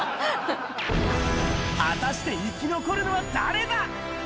果たして生き残るのは誰だ？